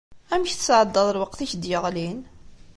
Amek tesɛeddaḍ lweqt i k-d-yeɣlin?